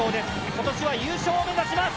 今年は優勝を目指します！